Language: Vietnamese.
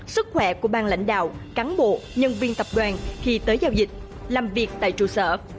sức khỏe của bang lãnh đạo cán bộ nhân viên tập đoàn khi tới giao dịch làm việc tại trụ sở